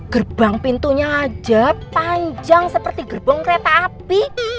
gerbang pintunya aja panjang seperti gerbong kereta api